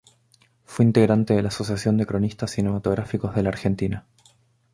Fue integrante de la Asociación de Cronistas Cinematográficos de la Argentina.